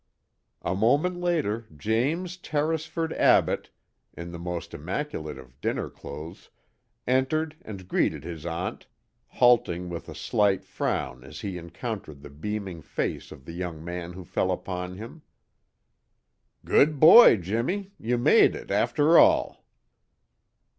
A moment later James Tarrisford Abbott, in the most immaculate of dinner clothes, entered and greeted his aunt, halting with a slight frown as he encountered the beaming face of the young man who fell upon him. "Good boy, Jimmie! You made it, after all!"